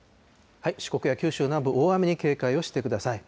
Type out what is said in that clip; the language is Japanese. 四国や九州南部、大雨に警戒をしてください。